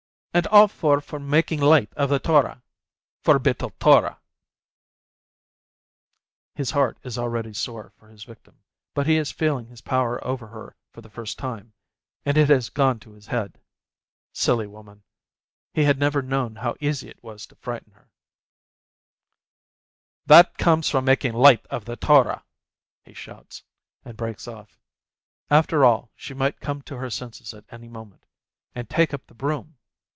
And all four for making light of the Torah ! For Bittul Torah !" His heart is already sore for his victim, but he is feeling his power over her for the first time, and it has gone to his head. Silly woman ! He had never known how easy it was to frighten her. 60 PEREZ "That comes of making light of the Torah!" he shouts, and breaks off. After all, she might come to her senses at any moment, and take up the broom!